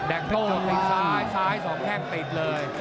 แดงโตติดซ้ายซ้าย๒แค่งติดเลย